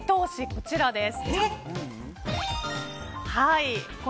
こちらです。